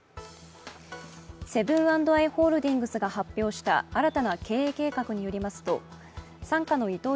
セブン＆アイ・ホールディングスが発表した新たな経営計画によりますと、傘下のイトー